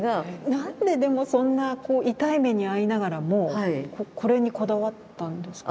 何ででもそんな痛い目に遭いながらもこれにこだわったんですか？